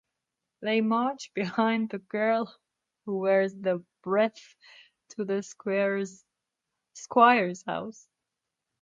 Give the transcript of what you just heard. They march behind the girl who wears the wreath to the squire's house.